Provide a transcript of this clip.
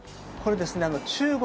中国